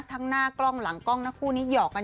ทั้งหน้ากล้องหลังกล้องทั้งคู่นี้หยอกกัน